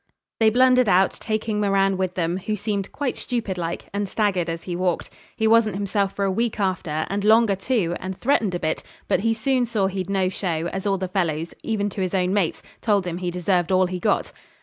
They blundered out, taking Moran with them, who seemed quite stupid like, and staggered as he walked. He wasn't himself for a week after, and longer too, and threatened a bit, but he soon saw he'd no show, as all the fellows, even to his own mates, told him he deserved all he got.